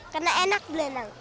karena enak banget ya